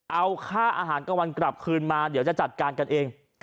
เอาค่าอาหารกลางวันกลับคืนมาเดี๋ยวจะจัดการกันเอง